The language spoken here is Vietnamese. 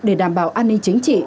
để đảm bảo an ninh chính trị